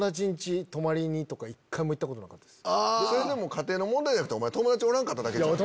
それでも家庭の問題じゃなくて友達おらんかっただけちゃう？